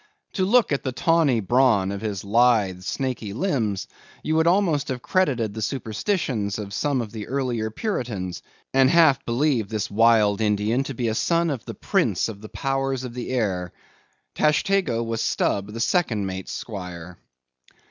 To look at the tawny brawn of his lithe snaky limbs, you would almost have credited the superstitions of some of the earlier Puritans, and half believed this wild Indian to be a son of the Prince of the Powers of the Air. Tashtego was Stubb the second mate's squire.